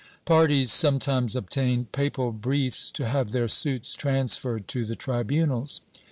^ Parties sometimes obtained papal briefs to have their suits transferred to the tribunals.